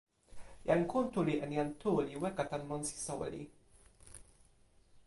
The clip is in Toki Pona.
jan Kuntuli en jan Tu li weka tan monsi soweli.